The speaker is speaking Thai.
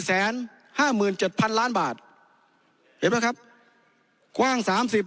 แสนห้าหมื่นเจ็ดพันล้านบาทเห็นไหมครับกว้างสามสิบ